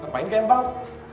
ngapain ke empang